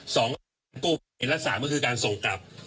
สองก็คือการกู้ไพรและสามก็คือการส่งกลับ